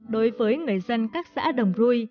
đối với người dân các xã đồng rui